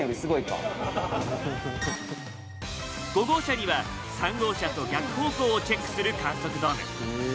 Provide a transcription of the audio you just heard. ５号車には３号車と逆方向をチェックする観測ドーム。